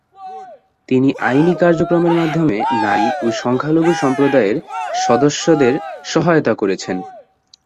তিনি আইনি কার্যক্রমের মাধ্যমে নারী ও সংখ্যালঘু সম্প্রদায়ের সদস্যদের সহায়তা করেছেন।